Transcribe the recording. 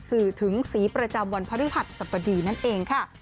สื่อถึงสีประจำวันพระฤหัสสัปดีนั่นเองค่ะ